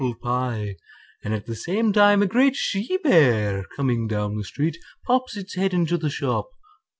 gif)] and at the same time a great she bear, coming down the street, pops its head into the shop.